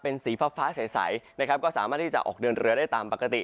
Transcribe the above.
เป็นสีฟ้าใสนะครับก็สามารถที่จะออกเดินเรือได้ตามปกติ